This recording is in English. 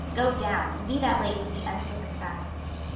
go down, and be thou laid with the uncircumcised.